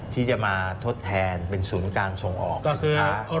ที่จะมาทดแทนเป็นศูนย์การส่งออกสินค้า